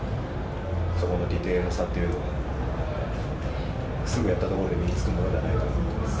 そこの出ているの差というのが、すぐやったところで身につくものではないと思います。